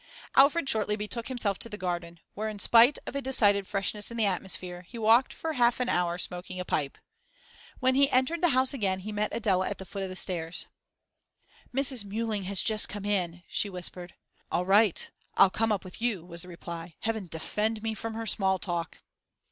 Alfred shortly betook himself to the garden, where, in spite of a decided freshness in the atmosphere, he walked for half an hour smoking a pipe. When he entered the house again, he met Adela at the foot of the stairs. 'Mrs. Mewling has just come in,' she whispered. 'All right, I'll come up with you,' was the reply. 'Heaven defend me from her small talk!